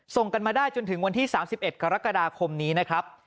ส่งกันมาได้จนถึงวันที่๓๑กรกฎาคมนี้นะครับ